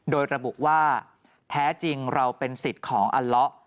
โดยระบุว่าแท้จริงเราเป็นสิทธิ์ของอัลละ